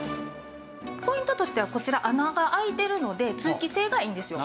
ポイントとしてはこちら穴が開いてるので通気性がいいんですよ。